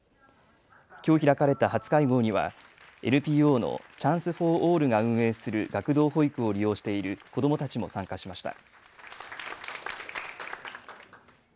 きょう開かれた初会合にはＮＰＯのＣｈａｎｃｅＦｏｒＡｌｌが運営する学童保育を利用している子どもたちも参加しました。